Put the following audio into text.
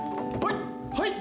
はい！